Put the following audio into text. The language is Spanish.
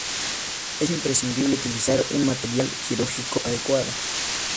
Es imprescindible utilizar un material quirúrgico adecuado.